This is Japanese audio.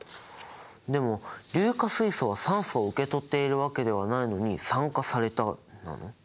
でも硫化水素は酸素を受け取っているわけではないのに「酸化された」なの？